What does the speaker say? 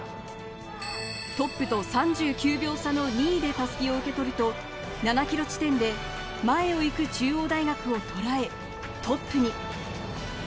トップと３９秒差の２位で襷を受け取ると、７ｋｍ地点で前を行く中央大学をとらえ、トップに。